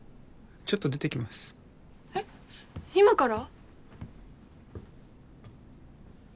ちょっと出てきますえっ今から？